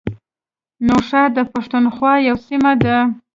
نوښار د پښتونخوا یوه سیمه ده